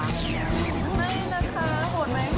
ไม่นะคะโหดไหม